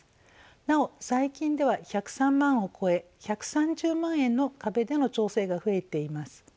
なお最近では１０３万を超え１３０万円の壁での調整が増えています。